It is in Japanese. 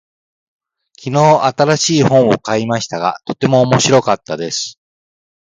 昨日、新しい本を買いましたが、とても面白かったです。